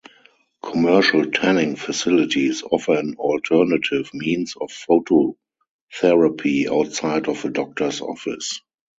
Commercial tanning facilities offer an alternative means of phototherapy outside of a doctor's office.